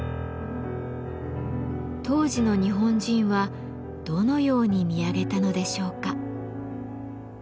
当時の日本人はどのように見上げたのでしょうか？